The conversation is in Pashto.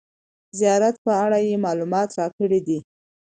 زیارت په اړه یې معلومات راکړي دي.